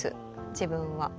自分は。